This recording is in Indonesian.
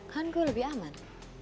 kan gue lebih aman